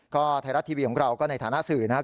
ก็ไทยรัฐทีวีของเราก็ในฐานะสื่อนะครับ